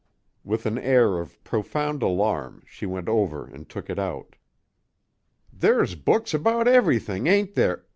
With an air of profound alarm, she went over and took it out. "There's books about everything, ain't there?